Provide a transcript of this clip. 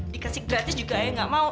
dikasih gratis juga ya gak mau